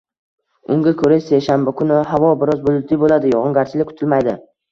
Unga ko‘ra, seshanba kuni havo biroz bulutli bo‘ladi, yog‘ingarchilik kutilmaydi